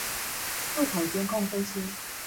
路口監控分析